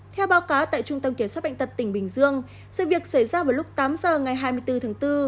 theo báo cáo tại trung tâm kiểm soát bệnh tật tỉnh bình dương sự việc xảy ra vào lúc tám giờ ngày hai mươi bốn tháng bốn